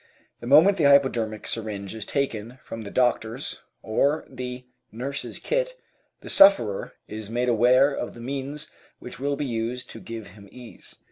The moment the hypodermic syringe is taken from the doctor's or the nurse's kit, the sufferer is made aware of the means which will be used to give him ease.